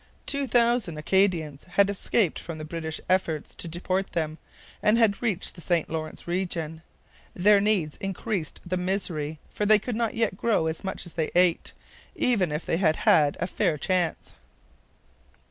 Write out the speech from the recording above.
Two thousand Acadians had escaped from the British efforts to deport them, and had reached the St Lawrence region. Their needs increased the misery, for they could not yet grow as much as they ate, even if they had had a fair chance.